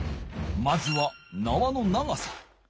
まずはなわの長さ。